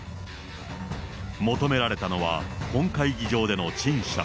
求められたのは、本会議場での陳謝。